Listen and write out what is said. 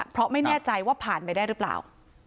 เพราะไม่แน่ใจว่าผ่านไปได้หรือเปล่า